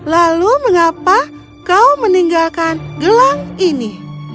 lalu mengapa kau meninggalkan gelang ini